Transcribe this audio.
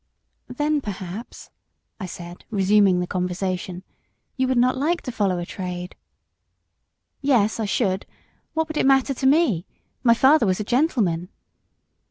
"Then, perhaps," I said, resuming the conversation, "you would not like to follow a trade?" "Yes, I should. What would it matter to me? My father was a gentleman."